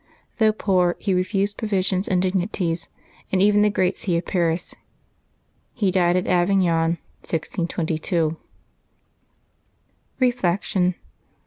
Though poor, he refused provisions and dignities, and even the great see of Paris. He died at Avignon, 162,2. Reflection.